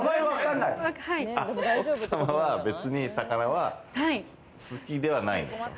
奥様は別に魚は好きではないんですか？